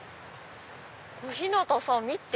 小日向さん見て。